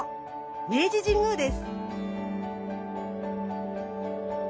明治神宮です。